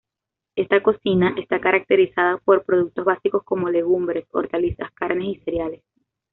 Esta cocina está caracterizada por productos básicos como: legumbres, hortalizas, carnes y cereales.